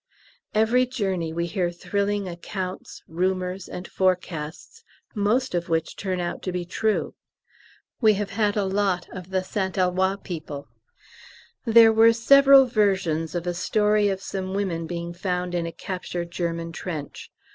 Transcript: Every journey we hear thrilling accounts, rumours, and forecasts, most of which turn out to be true. We have had a lot of the St Eloi people. There were several versions of a story of some women being found in a captured German trench.